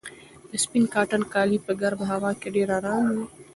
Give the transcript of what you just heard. سپین کاټن کالي په ګرمه هوا کې ډېر ارام وي.